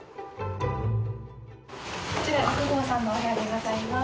こちらのお部屋でございます。